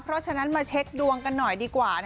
เพราะฉะนั้นมาเช็คดวงกันหน่อยดีกว่า